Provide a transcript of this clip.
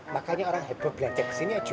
makanya orang heboh belanja ke sini aja jo